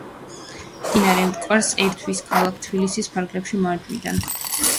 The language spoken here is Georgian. მდინარე მტკვარს ერთვის ქალაქ თბილისის ფარგლებში მარჯვნიდან.